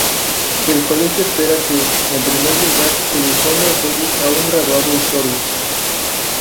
El colegio espera que, en primer lugar, el Fondo apoye a un graduado historia.